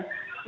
ya kita tuh